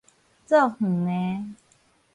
做園的